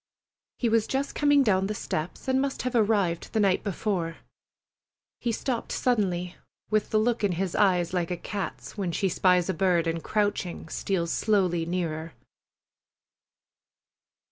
He was just coming down the steps, and must have arrived the night before. He stopped suddenly, with the look in his eyes like a cat's when she spies a bird and, crouching, steals slowly nearer.